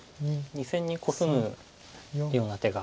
２線にコスむような手が。